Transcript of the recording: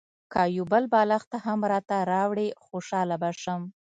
که یو بل بالښت هم راته راوړې خوشاله به شم.